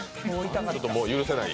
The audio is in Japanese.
ちょっともう許せない？